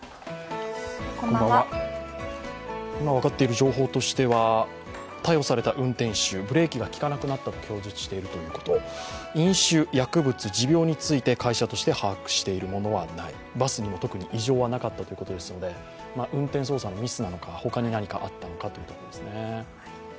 今わかっている情報としては、逮捕された運転手、ブレーキが利かなくなったと供述していること、飲酒、薬物、持病について会社として把握しているものはない、バスにも特に異常はなかったということですので運転操作のミスなのか、ほかに何かあったのかというところですね。